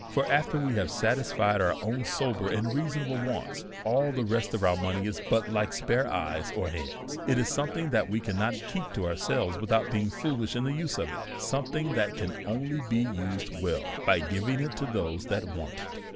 For, after wc have satisfied our own sober and rea sonable wants, all the rest of our money is but like spare eyes or hands ; it is something that we cannot keep to ourselves without being foolish in the use of it, something that can only be used well by giving it to those that v/ant it.